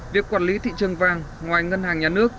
việc quản lý thị trường vàng ngoài ngân hàng nhà nước